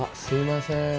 すいません。